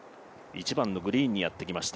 １番のグリーンにやってきました。